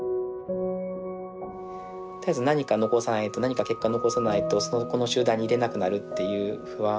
絶えず何か残さないと何か結果を残さないとこの集団にいれなくなるっていう不安。